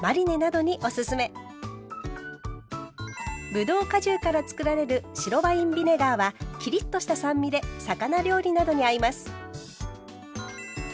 ぶどう果汁からつくられる白ワインビネガーはきりっとした酸味で魚料理などに合います。